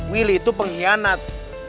willy itu pengkhianat